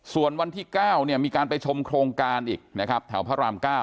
ส่วนวันที่๙มีการไปชมโครงการอีกนะครับแถวพระราม๙